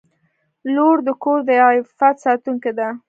• لور د کور د عفت ساتونکې ده.